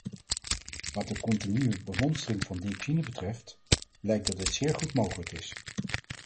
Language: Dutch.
Wat de continue bemonstering van dioxine betreft, blijkt dat dit zeer goed mogelijk is.